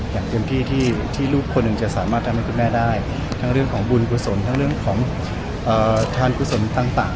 อย่างเต็มที่ที่ลูกคนหนึ่งจะสามารถทำให้คุณแม่ได้ทั้งเรื่องของบุญกุศลทั้งเรื่องของทานกุศลต่าง